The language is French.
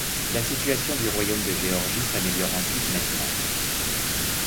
La situation du royaume de Géorgie s'améliore ensuite nettement.